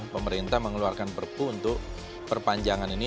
pemerintah mengeluarkan perpu untuk perpanjangan ini